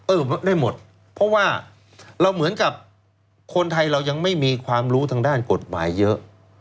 ได้หมดเพราะว่าเราเหมือนกับคนไทยเรายังไม่มีความรู้ทางด้านกฎหมายเยอะ